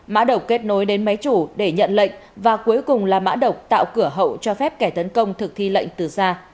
mã độc kết nối đến máy chủ để nhận lệnh và cuối cùng là mã độc tạo cửa hậu cho phép kẻ tấn công thực thi lệnh từ xa